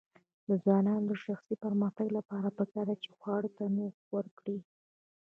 د ځوانانو د شخصي پرمختګ لپاره پکار ده چې خواړه تنوع ورکړي.